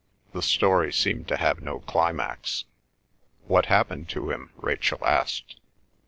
The story seemed to have no climax. "What happened to him?" Rachel asked.